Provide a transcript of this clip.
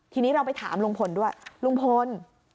ทีนี้เราไปถามลุงพลด้วยลุงพล